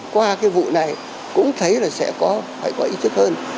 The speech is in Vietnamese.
qua cái vụ này cũng thấy là sẽ có phải có ý thức hơn